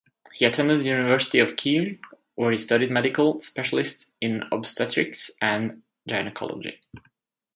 He attended University of Kiel where he studied Medical Specialist in Obstetrics and Gynaecology.